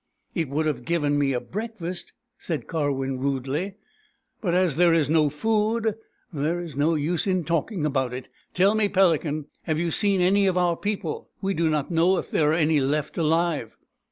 " It would have given me a breakfast," said Karwin rudely. " But as there is no food, there is no use in talking about it. Tell me. Pelican, have you seen any of our people ? We do not know if there are any left alive."